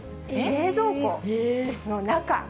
冷蔵庫の中。